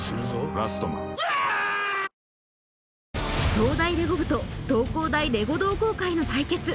東大レゴ部と東工大レゴ同好会の対決